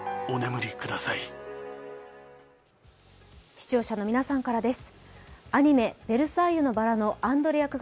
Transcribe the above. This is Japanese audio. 視聴者の皆さんからです。